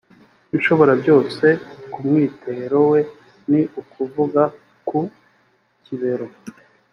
ishoborabyose ku mwitero we ni ukuvuga ku kibero